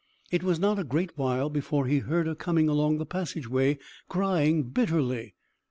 It was not a great while before he heard her coming along the passageway crying bitterly.